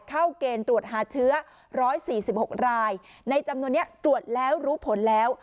เข้าเกณฑ์ตรวจหาเชื้อ๑๔๖รายในจำนวนนี้ตรวจแล้วรู้ผลแล้ว